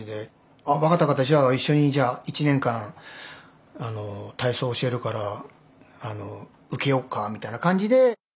あ分かった分かったじゃあ一緒にじゃあ１年間体操教えるから受けよっかみたいな感じで。